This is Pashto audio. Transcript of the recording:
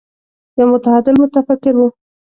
يو متعادل متفکر و.